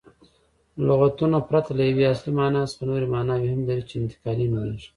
لغتونه پرته له یوې اصلي مانا څخه نوري ماناوي هم لري، چي انتقالي نومیږي.